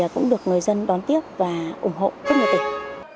cũng được người dân đón tiếp và ủng hộ rất nhiều tỉnh